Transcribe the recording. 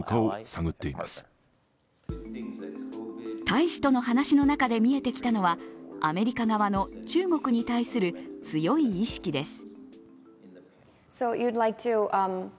大使との話の中で見えてきたのはアメリカ側の中国に対する強い意識です。